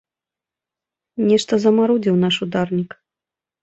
Нешта замарудзіў наш ударнік.